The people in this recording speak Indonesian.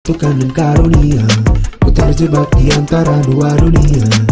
tukang dan karunia ku terjebak di antara dua dunia